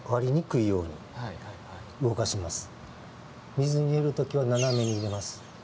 水に入れる時は斜めに入れます。